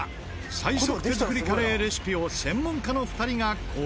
最速手作りカレーレシピを専門家の２人が考案。